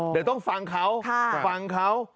เดี๋ยวต้องฟังเขาฟังเขา